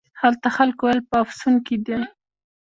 هلته خلکو ویل په افسون کې دی.